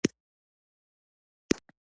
د پوځي قوت بهترولو فیصله وکړه.